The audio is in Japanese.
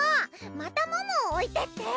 またももを置いてって！